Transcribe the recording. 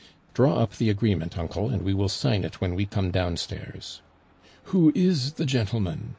"Draw up the agreement, uncle, and we will sign it when we come downstairs." "Who is the gentleman?"